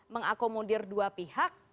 mengakomodir dua pihak